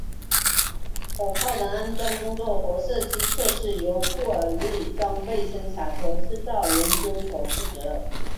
火炮的安装工作和射击测试由布尔日装备生产和制造研究所负责。